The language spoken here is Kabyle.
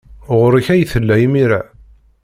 Ɣer-k ay tella imir-a.